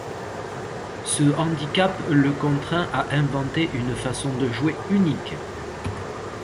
Ce handicap le contraint à inventer une façon de jouer unique.